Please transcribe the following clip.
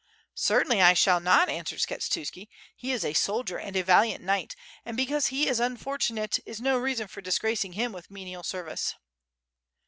"Certainly I shall not," answered Skshetuski, "he is a sol dier and a valiant knight, and because he is unfortunate is no reason for disgracing him with menial service."